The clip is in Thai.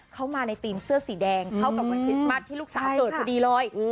เข้ามาในธีมเสื้อสีแดงเข้ากับวันคริสต์มัสที่ลูกสาวเกิดพอดีเลย